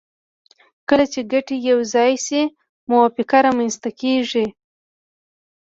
کله چې ګټې یو ځای شي موافقه رامنځته کیږي